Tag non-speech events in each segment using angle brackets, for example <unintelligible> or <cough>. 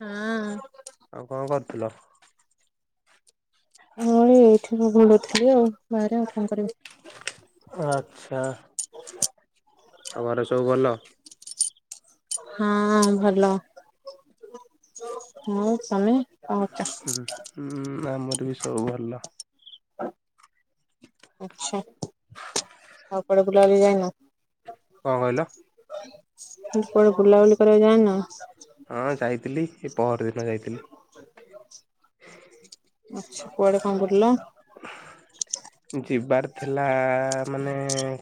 ହଁ। ଆଉ କଣ କରୁଥିଲ। ମୁଁ କହିଲି ଏଇଠି ଭଲ ଥିବ ଆଉ ବାହାରେ ଆଉ କଣ କରିବି। ଆଚ୍ଛା। ଆଉ ଘରେ ସବୁ ଭଲ। ହଁ ଭଲ ହଁ ତମେ। କଣ କରୁଛ? ହୁଁ ହୁଁ ଆମର ବି ସବୁ ଭଲ। ହଁ ଆଚ୍ଛା। ଆଉ କୁଆଡେ ବୁଲାବୁଲି ଯାଇନ। କଣ କହିଲ? ମୁଁ କୁଆଡେ ବୁଲାବୁଲି କରିବାକୁ ଯାଇନ? ହଁ ଯାଇଥିଲି ଏ ପହର ଦିନ ଯାଇଥିଲି। ଆଚ୍ଛା କୁଆଡେ କଣ ବୁଲିଲ? ଯିବାର ଥିଲା ମାନେ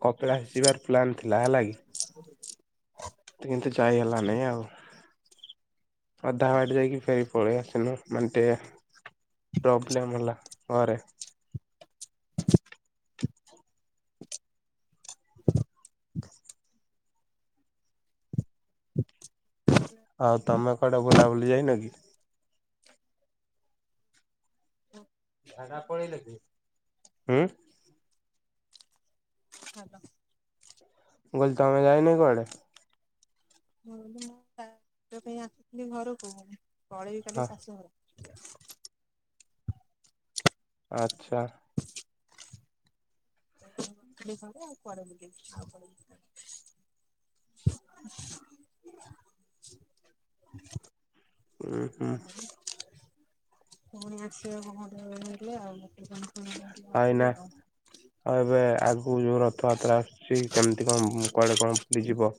କପିଳାଶ। ଯିବାର ପ୍ଲାନ୍ ଥିଲା ହେଲା କି? କିନ୍ତୁ ଯାଇ ହେଲାନାଇ ଆଉ। ଅଧା ବାଟେ ଯାଇକି ଫେରି ପଳେଇ ଆସିନି ମିନିଟେ ପ୍ରୋବ୍ଲେମ୍ ହେଲା ଘରେ। ଆଉ ତମେ କଆଡେ ବୁଲାବୁଲି ଯାଇନ କି? ହଁ। ଝାଡା ପଳେଇଲେକି ଉଁ। ହାଲୋ। ମୁଁ କହିଲି ତମେ ଯାଇନି କି କୁଆଡେ। ହଁ ତା ପାଇଁ ଆସୁଥିଲି ଘରକୁ ପଳେଇବି କାଲି ହଁ ଶାଶୁଘର। ଆଚ୍ଛା। ଘରେ ଆଉ କୁଆଡେ ବୁଲିବୁ ଆଉ <unintelligible> ଉଁ ହୁଁ। ପୁଣି ଆସିବେ କ <unintelligible> ଆଉ। ଆଇନା ଆଉ ଏବେ ଆଗକୁ ଯୋଉ ର ରଥଯାତ୍ରା ଆସୁଛି କେମିତି କଣ କୁଆଡେ କଣ ବୁଲିଯିବ।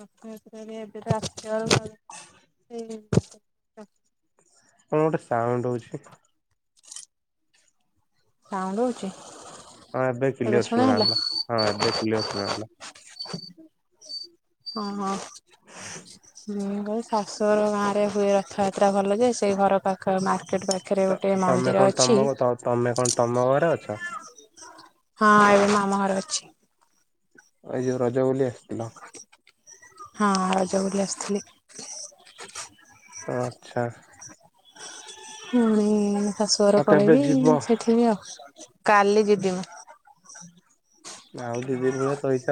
ରଥ ଯାତ୍ରା ରେ ଏବେ ତ ଆସିଚି ଆଉ। <unintelligible> କଣ ଗୋଟେ ସାଉଣ୍ଡ ହଉଛି? ସାଉଣ୍ଡ ହଉଛି। ହଁ ଏବେ କିିଲଅର ଶୁଣା ହେଲା ଶୁଣାଗଲା। ହଁ ଏବେ କ୍ଳିଅର ଶୁଣାଗଲା। ହଁ ହଁ ହୁଁ ବା ଶାଶୁଘର ଗାଁ ରେ ହୁଏ ରଥଯାତ୍ରା ଭଲ ଯେ, ସେଇ ଘର ପାଖ ମାର କେଟେ ପାଖରେ ତ ଗୋଟେ ତମେ ମନ୍ଦିର କଣ ତମ ଅଛି। ତମେ କଣ ତମ ଘରେ ଅଛ? ହଁ ଏବେ ମାମା ଘର ଅଛି। ଏ ଯୋଉ ରଜ ବୋଲି ଆସିଥିଲ। ହଁ ଆଜ ବୋଲି ଆସିଥିଲି। ଆଚ୍ଛା। ପୁଣି ଶାଶୁ ଘର ଆଉ କେବେ ପଳେଇବି। ଯିବ? ସେଠିବି ଆଉ କାଲି ଯିବି ମୁଁ। ଆଉ ଦି ଦିନ ଭଳିଆ ରହିଛ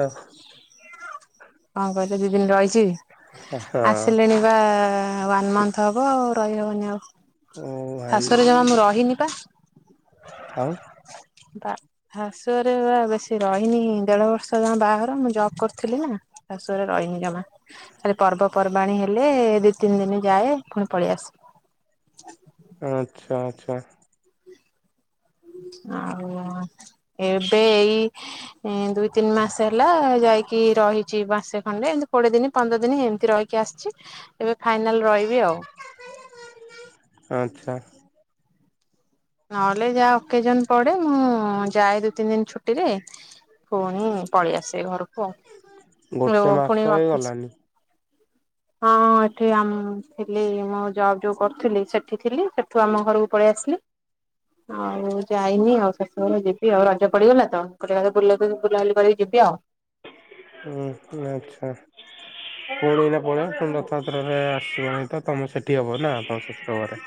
କଣ କର ଦି ଦିନ ରହିଛି। ହଁ ଆସିଲେଣି ବା ୱାନ୍ ମନ୍ଥ ହବ, ଆଉ ରହିହବନି ଆଉ। ଓ ଭାଇ ଶାଶୁ ଘରେ ଜମା ମୁଁ ରହିନି ପା। ଆଉ ବା ଶାଶୁ ଘରେ ବା ବେଶୀ ରହିନି, ଦେଢ ବର୍ଷ ଯମା ବାହାଘର ମୁଁ ଜବ୍ କରୁଥିଲି ନା। ଶାଶୁ ଘରେ ରହିନି ଜମା। ଖାଲି ପର୍ବପର୍ବାଣୀ ହେଲେ ଦି ତିନି ଦିନ ଯାଏ ଫୁଣି ପଳେଇଆସେ। ହ ଆଛା ଆଛା। ଆଉ ଏବେ ଏଇ ଦୁଇ ତିନି ମାସ ହେଲା। ଯାଇକି ରହିଛି ବାସେ ଖଣ୍ଡେ ଏମିତି କୋଡିଏ ଦିନ ପନ୍ଦର ଦିନ ଏମିତି ରହିକି ଆସିଛି। ଏବେ ଫାଇନାଲ ରହିବି ଆଉ। ଆଚ୍ଛା ନହେଲେ ଯାହା ଅକେଜନ ପଡେ ମୁଁ ଯାଏ ଦି ତିନି ଦିନ ଛୁଟିରେ। ପୁଣି ପଳେଇଆସିବେ ଘରକୁ ଆଉ ମୁ ଗୋଟେ ମାସ ପୁଣି ଅଫିସ୍। ହେଇଗଲାନି। <inaudible> ହଁ ଏଠି ଥିଲି ମୁଁ ଜବ୍ ଯୋଉ କରୁଥିଲି ସେଠି ଥିଲି ସେଠୁ ଆମ ଘରକୁ ପଳେଇ ଆସିଲି। <inaudible> ହଉ ଯାଇନି ଆଉ ଶସୁଘଳେ ଯିବି ଆଉ ରଜ ପଡିଗଲା ତ ଗୋଟେବେ ବୁଲାବୁଲି କରିକି ଯିବି ଆଉ ହୁଁ ଆଚ୍ଛା। ପୁଣି ନା ପଳେଇବ ପୁଣି ରଥଯାତ୍ରାାରେ ଆସିବ ନାହିଁ ତମେ ସେଠି ହବ ନା ଶଶୁର ଘରେ।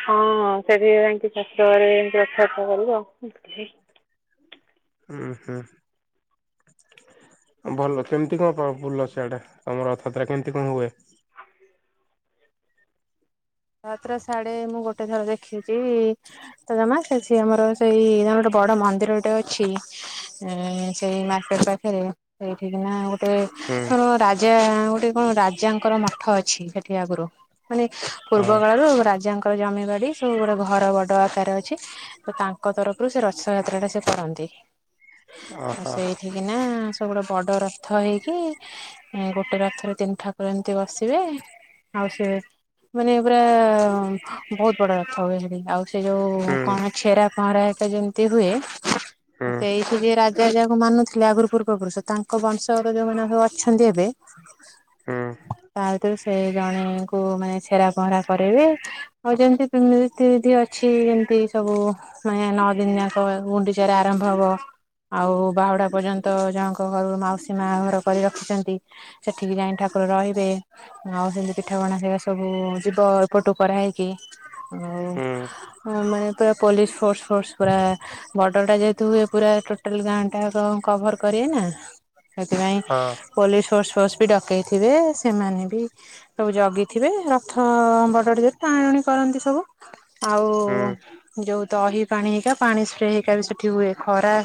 ହ ହଁ ସେଠି ଯାଇକି ଚାଷ ଘରେ ଏମତି ରକ୍ଷ ବଥାା କରିବ। <inaudible> ହୁଁ ହୁଁ ଭଲ କେମିତି କଣ ଭୁଲ ସେଆଡା ତମର ରଥାତ୍ରା କେମିତି କଣ ହୁଏ। ାତ ଶାଢେ ମୁଁ ଗୋଟେ ଥର ଦେଖିଛି ତ ଜମା ସେ ଆମର ସେଇ ଗ ବଡ ମନ୍ଦିରଟେ ଅଛି ସେଇ ମାର୍କେଟ ପାଖରେ ସେଠିନା ଗୋଟେ ହୁଁ କଣ ରାଜା ଗୋଟେ କଣ ରାଜାଙ୍କର ମଠ ଅଛି ସେଠି ଆଗରୁ ମାନେ ପୂର୍ବ ହଁ କାଳରୁ ରାଜାଙ୍କର ଜମି ଗାଡି ସବୁ ଗୋଟେ ଘର ବଡ ଆକାର ଅଛି ତ ତାଙ୍କ ତରଫରୁ ସେ ରଥ ଯାତ୍ରା ଟା ସେ କରନ୍ତି ଆ ଓହୋ ସେଇଠିକି ନା ସେ ଗୋଟେ ବଡ ରଥ ହେଇକି ଗୋଟେ ରଥରେ ତିନି ଠାକୁର ଏମତି ବସିବେ ହଉ ସେ ମାନେ ପୁରା ବହୁତ ବଡ ରଥ ହୁଏ ସେଠି ଆଉ ସେ ଯୋଉ ହୁଁ କଣ ଛେରା ପହଁରାଟା ଯେମତି ହୁଏ ହୁଁ ସେ ଏଇଠି ଯ ରାଜା ଯାହାକୁ ମାନୁଥିଲେ ଆଗରୁ ପୂର୍ବପୁରୁଷ ତାଙ୍କ ବଂଶଗର ଯୋଉମାନୋନ ସବ ଅଛନ୍ତି ଏବେ ହୁଁ ତା ଭିତରୁ ସେ ଜଣେଙ୍କୁ ମାନେ ଛେରା ପହଁରା କରିବେ ଆଉ ଯେମିତିତିି ଅଛି ଯେମତି ସବୁ ପ ଗୁଣ୍ଡଚରା ଆମ୍ଭ ଆବ ଆଉ ବାହୁଡା ପର୍ଯ୍ୟନ୍ତ ଜଣଙ୍କ ଘରୁ ମାଉସୀ ମା ଘର କରି ରଖିଛନ୍ତି ସେଠିକି ଯାଇଠ ତାରେ ରହିବେ ଆଉ ସେମିତି ପିଠା ପଣା ସେଇ ସବୁ ଯିବ ଏପଟୁ କର ହେଇକି। ହୁଁ ଆଉ ମାନେ ପୁର ପୋଲିସ ଫୋର୍ସ ଫର୍ସ ପୁରା ବର୍ଡର ଟା ଯେେତୁ ହୁଏ ପୁରା। ଟୋଟାଲ ଗାଁ ଟା କଭର କରିବେ ନା ସେଥିପାଇଁ ହଁ ପୋଲିସ ଫୋର୍ସ ଫୋର୍ସ ବି ଡକେଇଥିବେ ସେମାନେ ବି ସବୁ ଜଗି ଥିବେ ରଥ ବଡ଼ରେ ଟାଣୁଣି କରନ୍ତି ସବୁ ଆଉ ହୁଁ ଯୋଉ ତ। ପା ହେଇ ପାଣି ସ୍ପ୍ରେ ହେଇ ବି ସେଠି ହୁଏ ଖରାଏ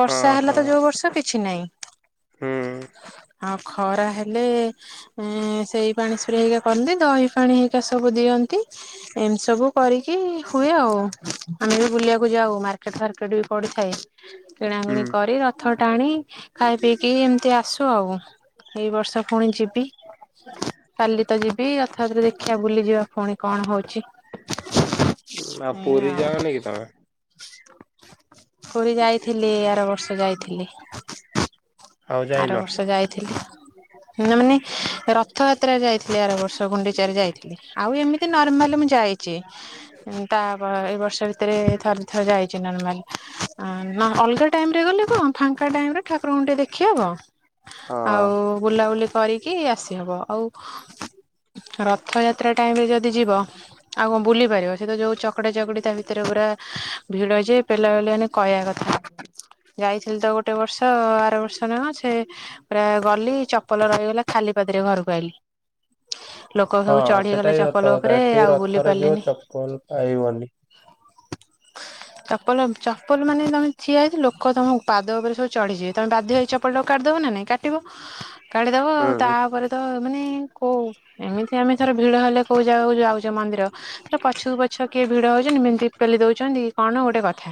ବର୍ଷା ହଁ ହେଲା ହଁ ତ। ଯୋଉ ବର୍ଷ କିଛି ନାଇଁ ହୁଁ ଆଉ ଖରା ହେଲେ ହୁଁ ସେଇ ପାଣି ସୁରି ହେଇକା କରନ୍ତି ଦହି ପାାଣି ହେଇକକା ସବୁ ଦିଅନ୍ତି ଏମିତି ସବୁ କରିକି। ହୁଏ ଆଉ ଆମେ ବି ବୁଲିବାକୁ ଯାଉ ମାର୍କେଟ ଫାର୍କେଟ ବି ପଡିଥାଏ କିଣା ହୁଁ କିିଣି କ କରି ରଥ ଟାଣି ଖାଇ ପିଇକି ଏମତି ଆସୁ ଆଉ ଏଇ ବର୍ଷ ପୁଣି ଯିବି କାଲି ତ ଯିବି କଥାପତରେ ଦେଖିବା ବୁଲିଯିବା ପୁଣି କଣ ହଉଛି। <inaudible> ଆ ଏଇ ପୁରୀ ଆଉ ଯାଅନା କି ତମେ? ପୁରୀ ଯାଇଥିଲି ଆର ବର୍ଷ ଯାଇଥିଲି ଆଉ ଆର ଯାଇନ? ବର୍ଷ ଯାଇଥିଲି ମାନେ -ମାନେ ରଥଯାତ୍ରାରେ ଯାଇଥିଲି ଆର ବର୍ଷ ଗୁଣ୍ଡିଚାର ଯାଇଥିଲି ଆଉ ଏମିତି ନର୍ମାଲ ମୁଁ ଯାଇଛି। ତା ଏଇ ବର୍ଷ ଭିତରେ ଥରେ ଦିଥର ଯାଇଛି ନର୍ମାଲ ଅଲଗା ଟାଇ ଟାଇମ୍ ରେ ଗଲେ କଣ ଫାଙ୍କା ଟାଇମରେ ଠାକୁରଙ୍କୁ ଟିକେ ଦେଖିହବ ହଁ। ଆଉ ବୁଲାବୁଲି କରି କିଏ ଆସି ହବ ଆଉ ରଥଯାତ୍ରା ଟାଇମ ରେ ଯଦି ଯିବ ଆଉ କଣ ବୁଲି ପାରିବ ସେ ତ ଯୋଉ ଚକଡା ଚକଡି ତା ଭିତରେ ପୁରା <unintelligible> ଭିଡ ଯେ ପେଲା ପେଲି ବୋଲି କହିଆ କଥା ଯାଇଥିଲି ତ ଗୋଟେ ବର୍ଷ ଆର ବର୍ଷ ନା କଣ ସେ ପୁରା ଗଲି ଚପଲ ରହିଗଲା ଖାଲି ପାଦରେ ଘରୁକୁ ଆଇଲି। ଲୋକ ସବୁ ହଁ ସେଟା ଚଢିଗଲେ ବି ସତ ଚପଲ କଥା ଉପରେ ଏତିକି ଆଉ ବୁଲି ରଥରେ ଯିବ ପାଇଲିନି। ହ ଚପଲ ପାଇବନି। ଚପଲ ଚପଲ ମାନେ ତମେ ଠିଆ ହେଇଚ ଲୋକ ତମ ପାଦ ଉପରେ ସବୁ ଚଢି ଯିବେ ତମେ ବାଧ୍ୟ ହେଇ ଚପଲ ଟାକୁ କାଢି ଦ ବ ନା ନାଇଁ କାଟିବ କାଢି ଦବ ଆଉ ହୁଁ ତାପରେ ତ ମାନେ କୋଉ ଏମିତି ଆମେ ଥରେ ଭିଡ଼ ହେଲେ କୋଉ ଜାଗାକୁ ଯାଉଛେ ମନ୍ଦିର <unintelligible> ପଛକୁ ପଛ କିଏ ଭିଡ଼ ହଉଛନ୍ତି ଏମିତି ପେଲି ଦଉଛନ୍ତି କଣ ନା ଗୋଟେ କଥା।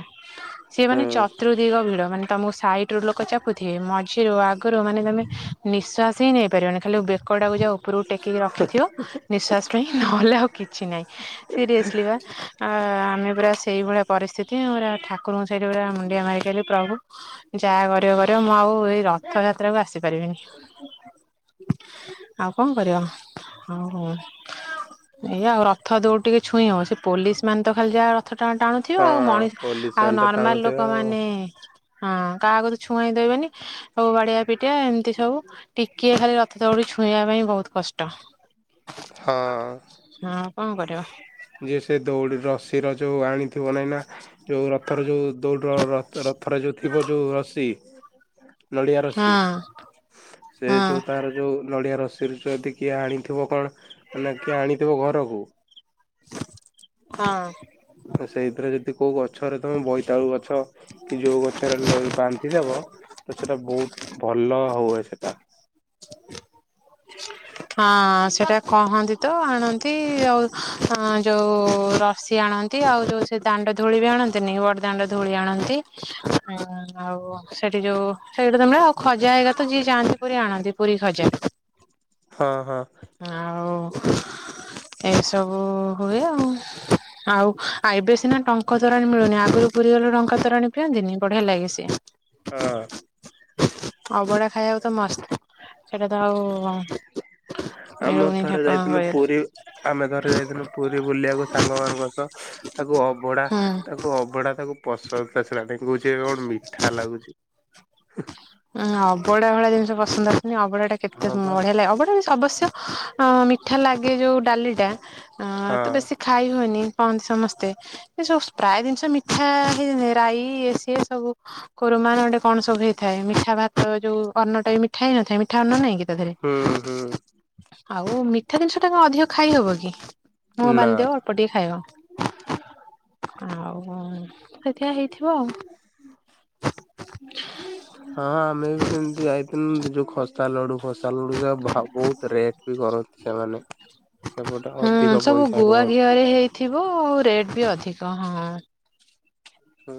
ସିଏ ହୁଁ ମାନେ ଚତୁର୍ଦିଗ ଭିଡ ମାନେ ତମକୁ ସାଇଟ ରୁ ଲୋକ ଚାପୁଥିବେ ମଝିରୁ ଆଗରୁ ମାନେ ତମେ ନିଃଶ୍ଵାସ ହିଁ ନେଇ ପାରିବନି ଖାଲି ବେକଟାକୁ ଯାହା ଉପରକୁ ଟେକିକି ରଖିଥିବ ନିଃଶ୍ୱାସ ପାଇଁ ନହେଲେ ଆଉ କିଛି ନାହିଁ। ସିରିଏସ୍ଲି ବା ଆଉ ଆମେ ପୁରା ସେଇଭଳିଆ ପରିସ୍ଥିତି ପୁରା ଠାକୁରଙ୍କୁ ସେଇଠି ପୁରା ମୁଣ୍ଡିଆ ମାରିକି ପ୍ରଭୁ ଯାହା କରିବ କରିବ ମୁଁ ଆଉ ଏଇ ରଥଯାତ୍ରାକୁ ଆସିପାରିବିନି। ଆଉ କଣ କରିବ ଆଉ ହୁଁ। ଏଇ ଆଉ ରଥ ଦଉଡି ଟିକେ ଛୁଇଁ ହବ ସେ ପୋଲିସ ମାନେ ତ ଖାଲି ଯାହା ରଥ ଟା ଟାଣୁଥିବେ ଆଉ। ହଁ ମଣିଷ ପୋଲିସ ଆଉ ମାନେ ତ ନର୍ମାଲ ଲୋକ ଟାଣୁଥିବେ ଆଉ ମାନେ ହଁ କାହାକୁ ତ ଛୁଆଁଇ ଦେବେନି ସବୁ ବାଡିଆ ପିଟା ଏମତି ସବୁ ଟି କିଏ ଖାଲି ରଥ ଦଉଡ଼ି ଛୁଇଁଆ ପାଇଁ ବହୁତ କଷ୍ଟ। ହଁ। ହଁ କଣ କରିବ? ଯିଏ ସେ ଦଉଡି ରଶିର ଯୋଉ ଆଣିଥିବ ନାଇଁ ନା ଯୋଉ ରଥର ଯୋଉ ଦୌଡ଼ିର ର-ର-ରଥରେ ଯୋଉ ଥିବ ଯୋଉ ରଶି ନଡିଆ ରଶି ହଁ ସେ ହଁ ଯୋଉ ତାର ଯୋଉ ନଡିଆ ରଶ <unintelligible> ଯଦି କିଏ ଆଣିଥିବ କଣ ମାନେ କିଏ ଆଣିଥିବ ଘରକୁ ହଁ। ଆଉ ସେଇଥିରେ ଯଦି କୋଉ ଗଛରେ ତମେ ବୋଇତିଆଳୁ ଗ ଛ କି ଯୋଉ ଗଛରେ ହେଲେ ବାନ୍ଧି ଦବ ତ ସେଇଟା ବହୁତ ଭଲ ହୁଏ ସେଇଟା। ହଁ ସେଇଟା କହନ୍ତି ତ ଆଣନ୍ତି ଆଉ ଅଁ ଯୋଉ ରଶି ଆ ଆଣନ୍ତି ଆଉ ଯୋଉ ସେ ଦାଣ୍ଡ ଧୂଳି ବି ଆଣନ୍ତିନି ବଡ ଦାଣ୍ଡ ଧୂଳି ଆଣନ୍ତି। ଉଁ ଆଉ ସେଠି ଯୋଉ ସେଇଠୁ ତମେ ଆଉ ଖଜା ହେଇଗା ତ ଯିଏ ଯାଆନ୍ତି ପୁରୀ ଆଣନ୍ତି ପୁରୀ ଖଜା। ହଁ ହଁ। ଆଉ ଏସବୁ ହୁଏ ଆଉ। ଆଉ ଆଉ ଏବେ ସିନା ଟଙ୍କ ତୋରାଣି ମିଳୁନି ଆଗରୁ ପୁରୀ ଗଲେ ଟଙ୍କ ତୋରାଣି ପିଅନ୍ତିନି ବଢିଆ ଲାଗି ସିଏ। ହଁ। ଅଭଡା ଖାଇଆକୁ ତ ମସ୍ତ ସେଇଟା ତ ଆଉ ଆମ ମିଳୁନି ଥରେ ଠାକୁରଙ୍କ ଯାଇଥିଲୁ ଦୟାରୁ ପୁରୀ ଆମେ ଥରେ ଯାଇଥିଲୁ ପୁରୀ ବୁଲିଆକୁ ସାଙ୍ଗମାନଙ୍କ ସହ ତାକୁ ଅବଢା ହୁଁ। ତାକୁ ଅବଡ଼ା ତାକୁ ପସନ୍ଦ ଆସିଲାନି। କହୁଛି ଏ କଣ ମିଠା ଲାଗୁଛି। ହୁଁ। ଉଁ ଅବଡା ଭଳିଆ ଜିନିଷ ପସନ୍ଦ ଆସୁନି ଅବଢା ଟା କେତେ ହଁ ବା ବଢିଆ ଲାଗେ ଅବଢା ଅବଶ୍ୟ ଅଁ ମିଠା ଲାଗେ ଯୋଉ ଡାଲିଟା। ଆଁ ହଁ ତ ବେଶୀ ଖାଇ ହୁଏନି। କହନ୍ତି ସମସ୍ତେ ଏ ସବୁ ପ୍ରାୟେ ଜିନିଷ ମିଠା ହେଇ ରାଇ ଏ ସିଏ ସବୁ କୋର ମାନେ ଗୋଟେ କଣ ସବୁ ହେଇଥାଏ ମି ଠା ଭାତ ଯୋଉ ଅନ୍ନଟା ବି ମିଠା ହେଇ ନଥାଏ ମିଠା ଅନ୍ନ ନାହିଁ କି ତା ଧିଅରେ। ହୁଁ ହୁଁ ଆଉ ମିଠା ଜିନିଷ ଟା କଣ ଅଧିକ ଖାଇ ହବ କି ମୁହଁ ନା। ବାନ୍ଧିଦେବ ଅଳ୍ପ ଟିକେ ଖାଇବ। ଆଉ କଣ ସେଥିଆ ହେଇଥିବ ଆଉ। ହଁ ଆମେ ବି ସେମତି ଯାଇଥୀନୁ ଯୋଉ ଖସ୍ତା ଲଡୁ ଫସାଲଡୁ ଭଜା ବହୁତ ରେଟ ବି କରନ୍ତି ସେମାନେ ସେପଟେ ହୁଁ ଅଧିକ ସବୁ ପଇସା ଗୁଆ କହନ୍ତି। ଘିଅରେ ହେଇଥିବ ଆଉ ରେଟ୍ ବି ଅଧିକ ହଁ। ହଁ।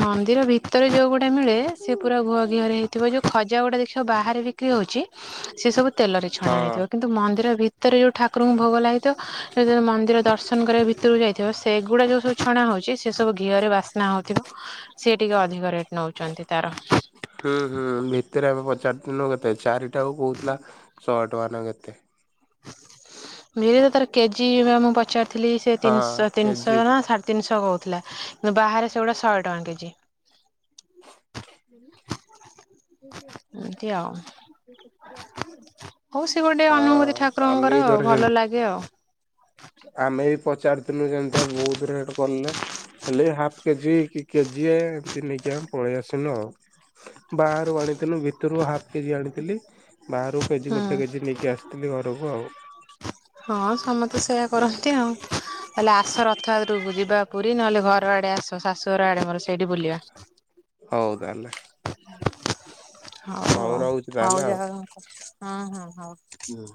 ମନ୍ଦିର ଭିତରେ ଯୋଉ ଗୁଡା ମିଳେ ସେ ପୁରା ଗୁଆ ଘିହରେ ହେଇଥିବ ଯୋଉ ଖଜା ଗୁଡା ଦେଖିବ ବାହାରେ ବିକ୍ରି ହଉଛି ସେ ସବୁ ତେଲରେ ଛଣା ହଁ ହେଇଥିବ କିନ୍ତୁ ମନ୍ଦିର ଭି ତରେ ଯୋଉ ଠାକୁରଙ୍କୁ ଭୋଗ ଲାଗିଥିବ ଯେତେବେଳେ ମନ୍ଦିର ଦର୍ଶନ କରିବା ଭିତରୁକୁ ଯାଇ ଥିବ ସେଗୁଡ଼ା ଯୋଉ ସବୁ ଛଣା ହଉଛି ସେ ସବୁ ଘିଅରେ ବାସ୍ନା ହେଉଥିବ ସିଏ ଟିକେ ଅଧିକ ରେଟ୍ ନେଉ। ଛନ୍ତି ତାର ହୁଁ ହୁଁ ଭିତରେ ଆମେ ପଚାରି ଥିନୁ କେତେ ଚାରିଟା କହୁଥିଲା ଶହେ ଟଙ୍କାନା କେତେ? ବିରି ତ ତାର କେଜି ମୁଁ ପଚାରୁ ଥିଲି ସେ ହଁ ତିନଶହ କେଜି ତିଂସହ ନା ସାଢ଼େ ତିିନସହ କହୁଥିଲା କିନ୍ତୁ ବାହାରେ ସେଗୁଟା ଶହ ଟଙ୍କା କେଜି ଏମିତି ଆଉ ହଉ ସେ ଗୋଟେ ଅନୁଭୂତି ହଁ ଆମେ ଠାକୁରଙ୍କର ବି ଆଉ ଥରେ ସେମିତି ଭଲ ଲାଗେ ଆଉ। ଆମେ ବି ପଚାରିଥିଲୁ ଯେମତିଆ ବହୁତ ରେଟ କଲେ। ହେଲେ ହାଫ କେଜି କି କେଜିଏ ଏମତି ନେଇକିନା ପଳେଇ ଆସିନୁ ଆଉ। ବାହାରୁ ଆଣିଥିଲୁ ଭିତରୁ ହାଫ୍ କେଜି ଆଣିଥିଲି ବାହାରୁ କେଜି ହୁଁ। ଗୋଟେ କେଜି ନେଇକି ଆସିଥିଲି ଘ <unintelligible> ହଁ ସମସ୍ତେ ସେୟା କରନ୍ତି ଆଉ। ହେଲେ ଆସ ରଥଯାତ୍ରକୁ ଯିବା ପୁରୀ ନହେଲେ ଘର ଆଡେ ଆସ ଶାଶୁଘର ଆଡେ ମୋର ସେଇଠି ବୁଲିବା। ହଉ ତାଲେ ହଉ ଆଉ ହଉ ଯାହଉ ହଁ ହଁ ହଉ। ହଁ।